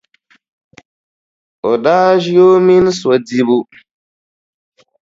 O daa ʒi o mini so dibu.